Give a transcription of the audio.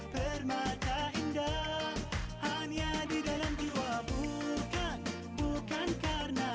permata indah hanya di dalam jiwa bukan bukan karena